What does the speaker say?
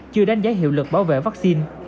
chưa đánh giá hiệu lực bảo vệ vaccine